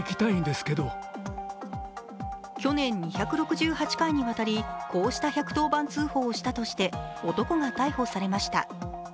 去年２６８回にわたりこうした１１０番通報をしたとして男が逮捕されました。